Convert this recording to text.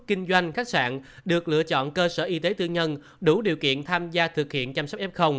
kinh doanh khách sạn được lựa chọn cơ sở y tế tư nhân đủ điều kiện tham gia thực hiện chăm sóc f